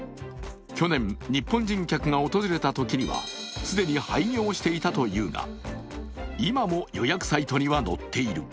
去年、日本人客が訪れたときには既に廃業していたというが、今も予約サイトには載っている。